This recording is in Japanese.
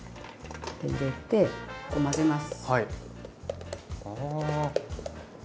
これを混ぜます。